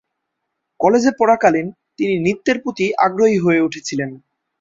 কলেজে পড়াকালীন, তিনি নৃত্যের প্রতি আগ্রহী হয়ে উঠেছিলেন।